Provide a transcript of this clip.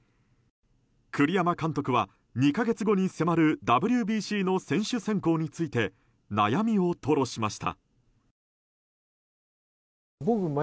栗山監督は、２か月後に迫るＷＢＣの選手選考について悩みを吐露しました。